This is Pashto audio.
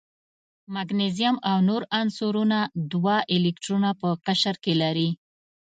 مګنیزیم او نور عنصرونه دوه الکترونه په قشر کې لري.